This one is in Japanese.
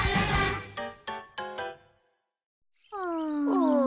うん。